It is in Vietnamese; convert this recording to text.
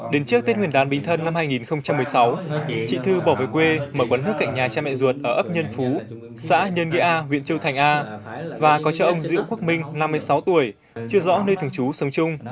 đến trước tết nguyên đán bình thân năm hai nghìn một mươi sáu chị thư bỏ về quê mở quán nước cạnh nhà cha mẹ ruột ở ấp nhân phú xã nhân nghĩa a huyện châu thành a và có cho ông diễu quốc minh năm mươi sáu tuổi chưa rõ nơi thường trú sống chung